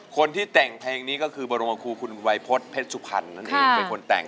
คนที่แต่งเพลงนี้ก็คือบรมครูคุณวัยพฤษเพชรสุพรรณนั่นเองเป็นคนแต่ง